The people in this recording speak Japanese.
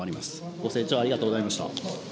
ご清聴ありがとうございました。